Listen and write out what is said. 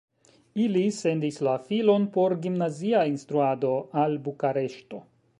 Ili sendis la filon por gimnazia instruado al Bukareŝto.